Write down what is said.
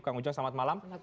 kang ujang selamat malam